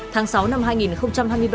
tháng sáu năm hai nghìn hai mươi ba